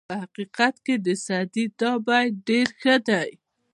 په حقیقت کې د سعدي دا بیت ډېر ښه دی.